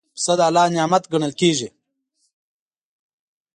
پسه د الله نعمت ګڼل کېږي.